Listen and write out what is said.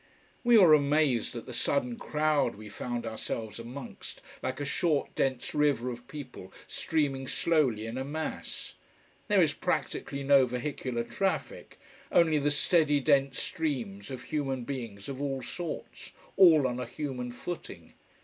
We were amazed at the sudden crowd we found ourselves amongst like a short, dense river of people streaming slowly in a mass. There is practically no vehicular traffic only the steady dense streams of human beings of all sorts, all on a human footing.